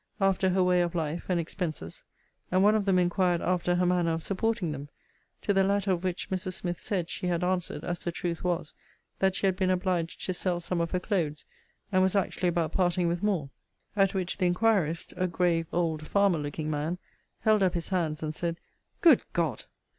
after her way of life, and expenses; and one of them inquired after her manner of supporting them; to the latter of which, Mrs. Smith said, she had answered, as the truth was, that she had been obliged to sell some of her clothes, and was actually about parting with more; at which the inquirist (a grave old farmer looking man) held up his hands, and said, Good God!